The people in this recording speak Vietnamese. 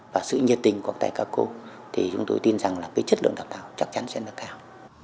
và sự nhiệt tình của các thầy cao cô thì chúng tôi tin rằng là cái chất lượng đào tạo chắc chắn sẽ nâng cao